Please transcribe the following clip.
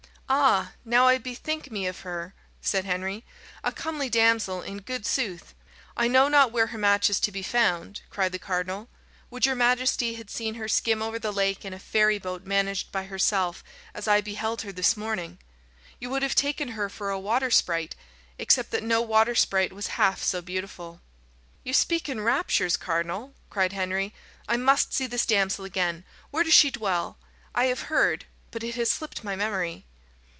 "Ah, now I bethink me of her," said Henry. "A comely damsel, in good sooth." "I know not where her match is to be found," cried the cardinal. "Would your majesty had seen her skim over the lake in a fairy boat managed by herself, as I beheld her this morning. You would have taken her for a water sprite, except that no water sprite was half so beautiful." "You speak in raptures, cardinal," cried Henry. "I must see this damsel again. Where does she dwell? I have heard, but it has slipped my memory."